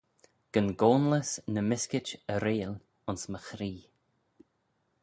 Gyn goanlys ny myskit y reayll ayns my chree.